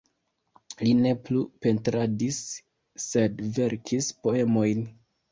Li ne plu pentradis, sed verkis poemojn.